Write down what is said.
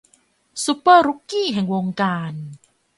ซูเปอร์รุกกี้แห่งวงการ